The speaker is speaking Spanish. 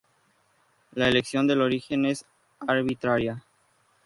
La elección del origen es arbitraria.